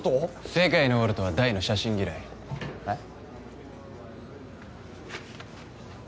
世界のウォルトは大の写真嫌いえっ？